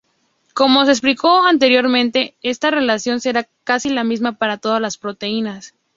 Como se explicó anteriormente, esta relación será casi la misma para todas las proteínas.